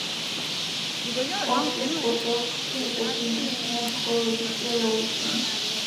Odtud potok teče jižním směrem okolo letiště Loučeň.